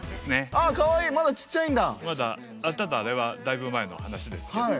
あっただあれはだいぶ前の話ですけどね。